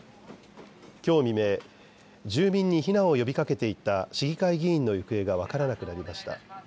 きょう未明、住民に避難を呼びかけていた市議会議員の行方が分からなくなりました。